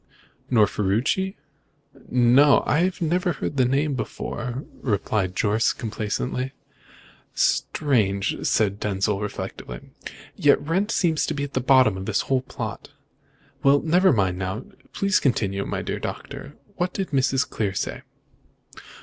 "Nor Ferruci?" "No. I never heard the name before," replied Jorce complacently. "Strange!" said Denzil reflectively. "Yet Wrent seems to be at the bottom of the whole plot. Well, never mind, just now. Please continue, my dear Doctor. What did Mrs. Clear say?"